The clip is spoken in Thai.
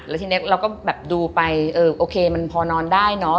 แล้วทีนี้เราก็แบบดูไปเออโอเคมันพอนอนได้เนอะ